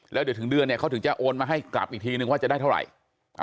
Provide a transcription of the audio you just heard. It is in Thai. แล้วเดี๋ยวถึงเดือนเนี่ยเขาถึงจะโอนมาให้กลับอีกทีนึงว่าจะได้เท่าไหร่